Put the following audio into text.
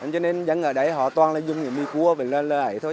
cho nên dân ở đấy họ toàn dùng những mì cua và lợi ấy thôi